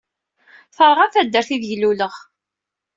Terɣa taddart ideg luleɣ.